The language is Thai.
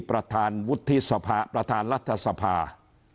พระราชาณ๕๐๕พระราชารัฐศัพท์